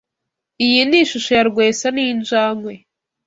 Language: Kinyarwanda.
Iyo ni ishusho ya Rwesa ninjangwe.